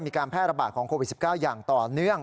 มีการแพร่ระบาดของโควิด๑๙อย่างต่อเนื่อง